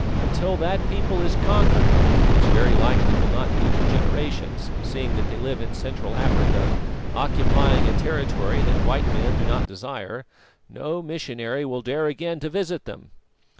Until that people is conquered which very likely will not be for generations, seeing that they live in Central Africa, occupying a territory that white men do not desire no missionary will dare again to visit them."